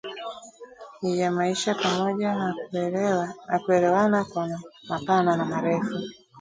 ya maisha pamoja na kuelewana kwa mapana na marefu